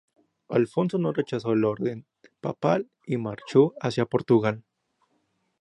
Alfonso no rechazó la orden papal y marchó hacia Portugal.